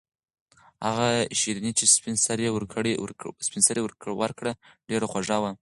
هغه شیرني چې سپین سرې ورکړه ډېره خوږه وه.